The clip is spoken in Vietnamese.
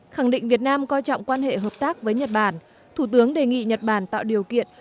khẳng định việt nam coi trọng quan hệ hợp tác với nhật bản thủ tướng đề nghị nhật bản tạo điều kiện